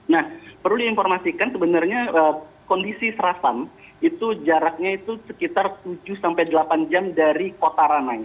nah perlu diinformasikan sebenarnya kondisi serasan itu jaraknya itu sekitar tujuh sampai delapan jam dari kota ranai